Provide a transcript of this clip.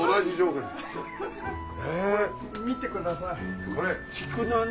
これ見てください。